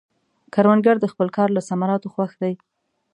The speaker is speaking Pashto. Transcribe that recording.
کروندګر د خپل کار له ثمراتو خوښ دی